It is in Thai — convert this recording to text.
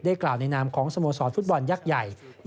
กล่าวในนามของสโมสรฟุตบอลยักษ์ใหญ่